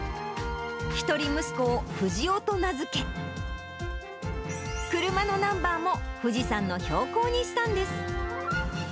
一人息子を富士男と名付け、車のナンバーも富士山の標高にしたんです。